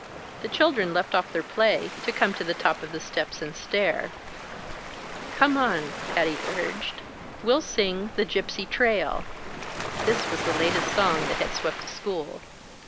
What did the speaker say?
The children left off their play to come to the top of the steps and stare. "Come on!" Patty urged. "We'll sing the 'Gypsy Trail.'" (This was the latest song that had swept the school.)